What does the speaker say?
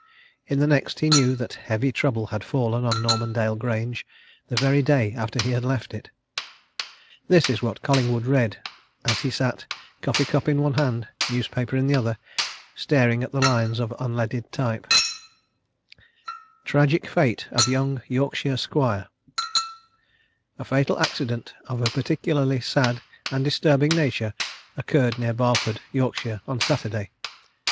In the next he knew that heavy trouble had fallen on Normandale Grange, the very day after he had left it. This is what Collingwood read as he sat, coffee cup in one hand, newspaper in the other staring at the lines of unleaded type: TRAGIC FATE OF YOUNG YORKSHIRE SQUIRE "A fatal accident, of a particularly sad and disturbing nature, occurred near Barford, Yorkshire, on Saturday.